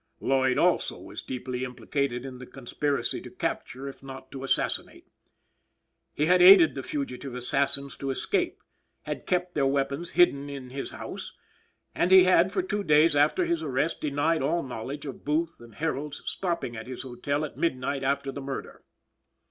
Lloyd, also, was deeply implicated in the conspiracy to capture if not to assassinate. He had aided the fugitive assassins to escape, had kept their weapons hidden in his house, and he had, for two days after his arrest, denied all knowledge of Booth and Herold's stopping at his hotel at midnight after the murder.